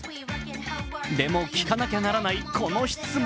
でも聞かなきゃならないこの質問。